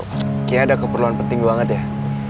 kayaknya ada keperluan penting banget ya